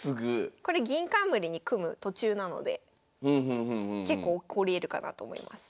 これ銀冠に組む途中なので結構起こりえるかなと思います。